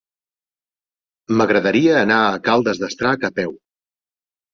M'agradaria anar a Caldes d'Estrac a peu.